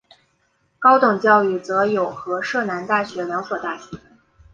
高等教育则有和摄南大学两所大学。